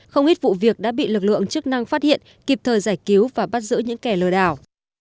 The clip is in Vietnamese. không ít vụ việc đã bị lực lượng chức năng phát hiện kịp thời giải cứu và bắt giữ những kẻ lừa đảo